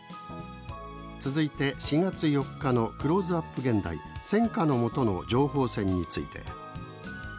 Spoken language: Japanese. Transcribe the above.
続いて、４月４日の「クローズアップ現代戦火の下の「情報戦」」について。